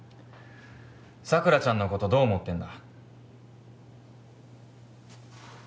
佐倉ちゃんのことどう思ってんだ